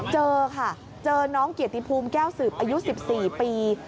เจอค่ะเจอน้องเกียรติภูมิแก้วสืบอายุ๑๔ปี